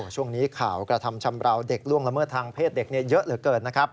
ช่วงนี้ข่าวกระทำชำราวเด็กล่วงละเมิดทางเพศเด็กเยอะเหลือเกินนะครับ